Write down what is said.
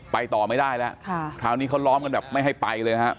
ต่อไม่ได้แล้วคราวนี้เขาล้อมกันแบบไม่ให้ไปเลยนะฮะ